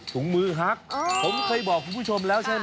ถุงมือฮักผมเคยบอกคุณผู้ชมแล้วใช่ไหม